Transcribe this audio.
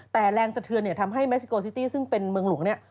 แต่แรงสะเทือนเนี่ยทำให้เม็กซิโกซิตี้ซึ่งเป็นเมืองหลวงเนี่ย